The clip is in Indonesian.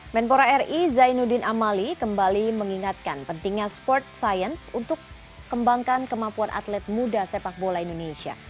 menpora ri zainuddin amali kembali mengingatkan pentingnya sport science untuk kembangkan kemampuan atlet muda sepak bola indonesia